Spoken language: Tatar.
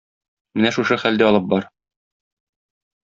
Менә шушы хәлдә алып бар.